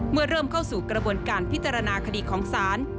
เมื่อเริ่มเข้าสู่กระบวนการพิจารณาคดีของศาล